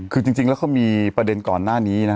คือจริงแล้วเขามีประเด็นก่อนหน้านี้นะ